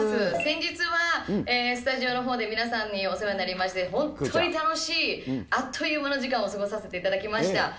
先日はスタジオのほうで皆さんにお世話になりまして、本当に楽しい、あっという間の時間を過ごさせていただきました。